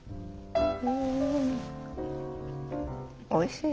おいしい！